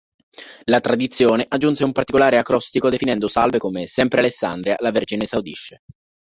La tradizione aggiunse un particolare acrostico definendo "Salve" come: "Sempre Alessandria la Vergine esaudisce".